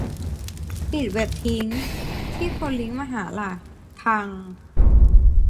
ปิดเว็บทิ้ง ที่คนลิงก์มาหาล่ะ ? พัง ?